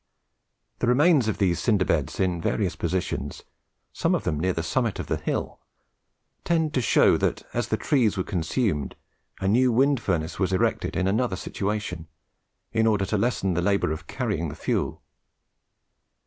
The remains of these cinder beds in various positions, some of them near the summit of the hill, tend to show, that as the trees were consumed, a new wind furnace was erected in another situation, in order to lessen the labour of carrying the fuel.